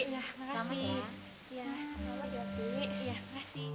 ya terima kasih